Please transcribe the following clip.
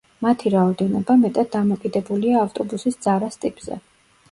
მათი რაოდენობა, მეტად დამოკიდებულია ავტობუსის ძარას ტიპზე.